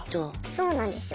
そうなんですよ。